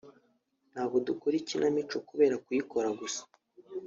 « Ntago dukora ikinamico kubera kuyikora gusa